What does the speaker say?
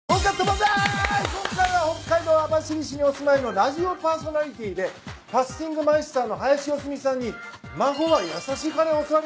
今回は北海道網走市にお住まいのラジオパーソナリティーでファスティングマイスターの林嘉さんにまごわやさしいカレーを教わります。